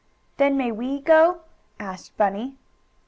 "Then may we go?" asked Bunny.